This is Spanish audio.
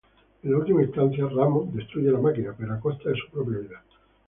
En última instancia, Ramos destruye la máquina, pero a costa de su propia vida.